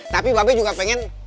tapi mbak be juga pengen